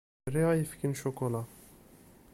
Riɣ ayefki n ccukula.